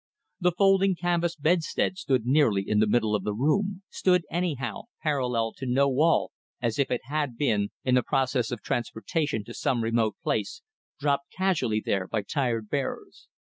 The folding canvas bedstead stood nearly in the middle of the room, stood anyhow, parallel to no wall, as if it had been, in the process of transportation to some remote place, dropped casually there by tired bearers.